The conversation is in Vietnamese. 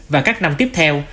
và các năm tiếp theo